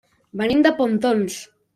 Venim de Pontons.